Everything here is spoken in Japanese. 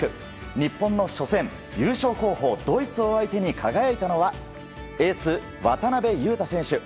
日本の初戦、優勝候補、ドイツを相手に輝いたのは、エース、渡邊雄太選手。